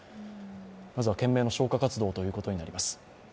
まずは懸命の消火活動ということになります。